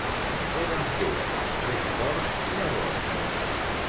Què van fer els tres cors llavors?